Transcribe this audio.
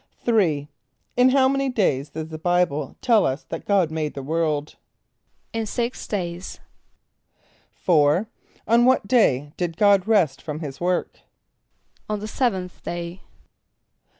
= =3.= In how many days does the Bible tell us that God made the world? =In six days.= =4.= On what day did God rest from his work? =On the seventh day.